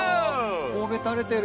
こうべ垂れてる。